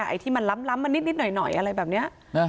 ไอที่มันล้ำล้ำมันนิดนิดหน่อยหน่อยอะไรแบบเนี้ยน่ะ